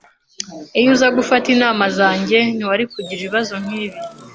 Iyo uza gufata inama zanjye, ntiwari kugira ibibazo nkibi.